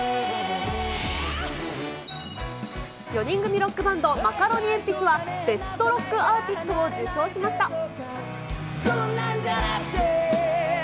４人組ロックバンド、マカロニえんぴつは、ベストロックアーティストを受賞しました。